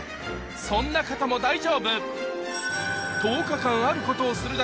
そんな方も大丈夫・